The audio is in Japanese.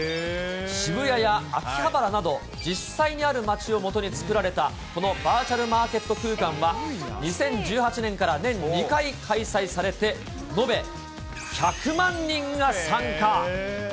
渋谷や秋葉原など、実際にある街をもとに作られたこのバーチャルマーケット空間は、２０１８年から年２回開催されて、延べ１００万人が参加。